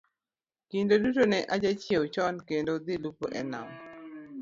Kinde duto ne ajachiew chon kendo dhi lupo e Nam